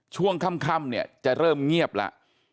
ช่วงค่ำจะเริ่มเงียบละ